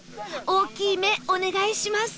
大きい目お願いします